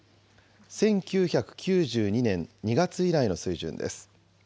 １９９２年２月以来の水準です。